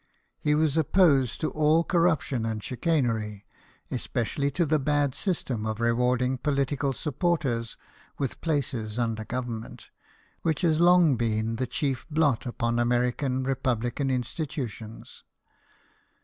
He was opposed to all corruption and chicanery, especially to the bad system of re warding political supporters with places under Government, which has long been the chief blot upon American republican institutions.